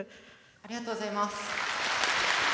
ありがとうございます。